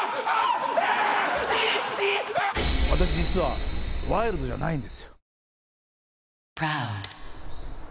私実はワイルドじゃないんですよ。